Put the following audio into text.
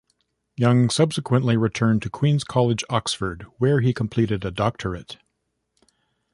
Young subsequently returned to Queen's College, Oxford, where he completed a doctorate.